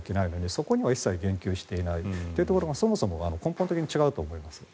そこには一切言及していないというところがそもそも根本的に違うと思います。